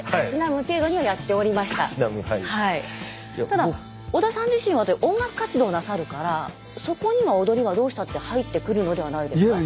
ただ織田さん自身は音楽活動なさるからそこには踊りはどうしたって入ってくるのではないですか？